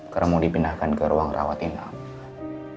karena mau dipindahkan ke ruang rawat tinggal